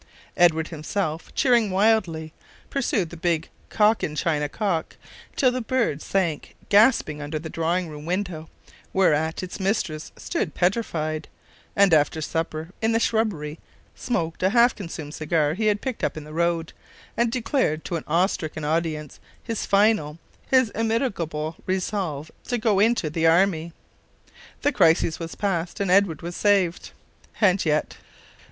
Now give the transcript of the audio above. Edward himself, cheering wildly, pursued the big Cochin China cock till the bird sank gasping under the drawing room window, whereat its mistress stood petrified; and after supper, in the shrubbery, smoked a half consumed cigar he had picked up in the road, and declared to an awe stricken audience his final, his immitigable, resolve to go into the army. The crisis was past, and Edward was saved!... And yet...